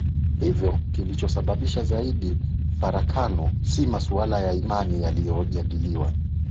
Hivyo kilichosababisha zaidi farakano si masuala ya imani yaliyojadiliwa